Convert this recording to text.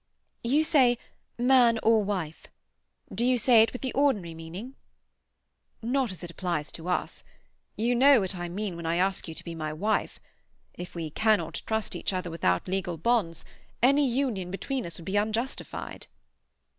"You say "man and wife." Do you say it with the ordinary meaning?" "Not as it applies to us. You know what I mean when I ask you to be my wife. If we cannot trust each other without legal bonds, any union between us would be unjustified."